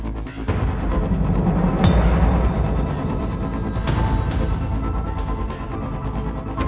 masuk kuliah dulu